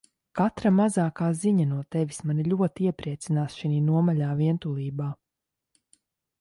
Katra mazākā ziņa no Tevis mani ļoti iepriecinās šinī nomaļā vientulībā.